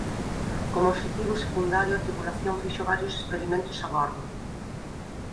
Como obxectivo secundario a tripulación fixo varios experimentos a bordo.